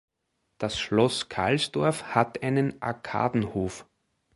Das Schloss Kalsdorf hat einen Arkadenhof.